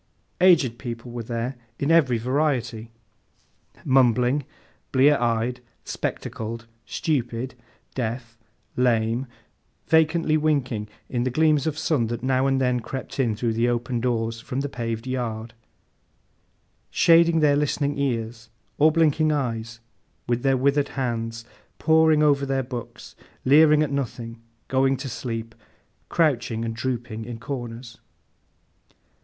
Aged people were there, in every variety. Mumbling, blear eyed, spectacled, stupid, deaf, lame; vacantly winking in the gleams of sun that now and then crept in through the open doors, from the paved yard; shading their listening ears, or blinking eyes, with their withered hands; poring over their books, leering at nothing, going to sleep, crouching and drooping in corners.